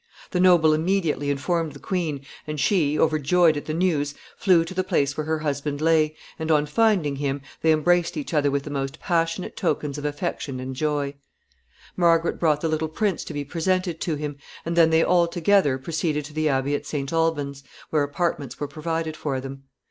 The noble immediately informed the queen, and she, overjoyed at the news, flew to the place where her husband lay, and, on finding him, they embraced each other with the most passionate tokens of affection and joy. [Sidenote: The abbey.] Margaret brought the little prince to be presented to him, and then they all together proceeded to the abbey at St. Alban's, where apartments were provided for them.